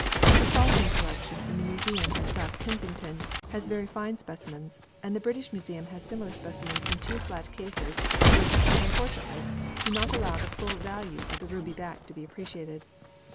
The Salting Collection in the Museum at South Kensington has very fine specimens, and the British Museum has similar specimens in two flat cases, which, unfortunately, do not allow the full value of the ruby back to be appreciated.